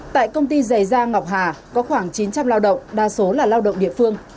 tại công ty giày da ngọc hà có khoảng chín trăm linh lao động đa số là lao động địa phương